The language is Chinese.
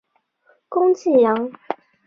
攻济阳。